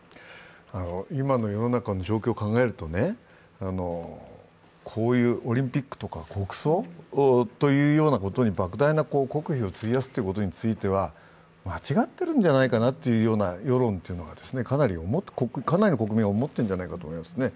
今の世の中の状況を考えると、こういうオリンピックとか国葬というようなことにばく大な国費を費やすということについては間違っているんじゃないかなというような世論、かなりの国民は思っているんじゃないかと思うんですね。